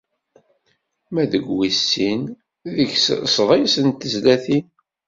Ma deg wis sin, deg-s sḍis n tezlatin.